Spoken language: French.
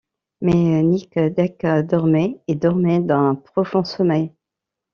Mais Nic Deck dormait, et dormait d’un profond sommeil.